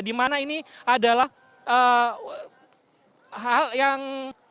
dimana ini adalah hal yang